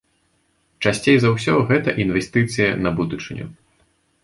Часцей за ўсё гэта інвестыцыя на будучыню.